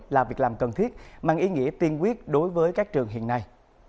là việc làm cần thiết mang ý nghĩa tiên quyết đối với các trường hiện nay